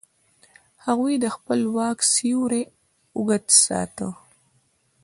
هغوی د خپل واک سیوری اوږده ساته.